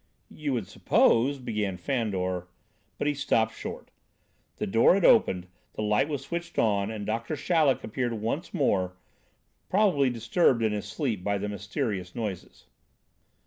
"You would suppose," began Fandor But he stopped short. The door had opened, the light was switched on and Doctor Chaleck appeared once more, probably disturbed in his sleep by the mysterious noises.